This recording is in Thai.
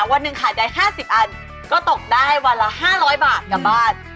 วันหนึ่งขายได้๕๐อันก็ตกได้วันละ๕๐๐บาทกลับบ้าน